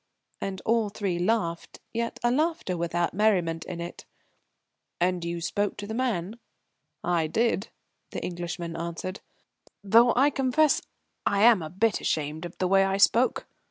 And all three laughed, yet a laughter without merriment in it. "And you spoke to the man?" "I did," the Englishman answered, "though I confess I'm a bit ashamed of the way I spoke.